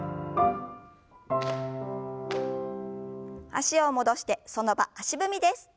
脚を戻してその場足踏みです。